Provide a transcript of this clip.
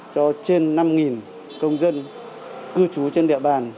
cho trên năm công dân cư trú trên địa bàn